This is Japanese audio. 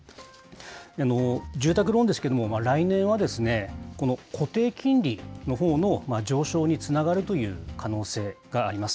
住宅ローンですけれども、来年は、この固定金利のほうの上昇につながるという可能性があります。